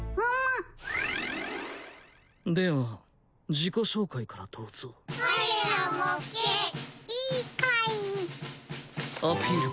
自己紹介からどうぞ我らもっけいい怪異アピール